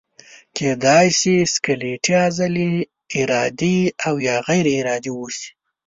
کیدای شي سکلیټي عضلې ارادي او یا غیر ارادي اوسي.